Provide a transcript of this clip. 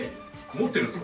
持ってるんですか？